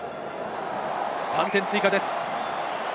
３点追加です。